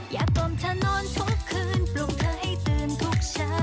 อารมณ์เธอนอนทุกคืนปลุกเธอให้ตื่นทุกเช้า